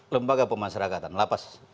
lembaga pemasyarakatan lapas